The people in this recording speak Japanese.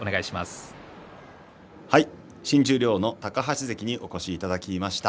新十両の高橋関にお越しいただきました。